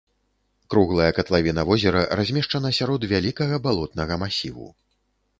Круглая катлавіна возера размешчана сярод вялікага балотнага масіву.